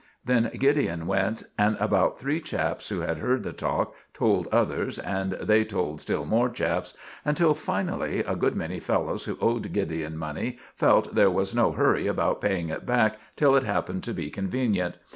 Then Gideon went; and about three chaps who had heard the talk told others, and they told still more chaps, until, finally, a good many fellows who owed Gideon money felt there was no hurry about paying it back till it happened to be convenient.